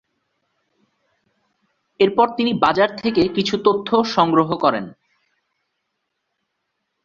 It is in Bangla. এরপর তিনি বাজার থেকে কিছু তথ্য সংগ্রহ করেন।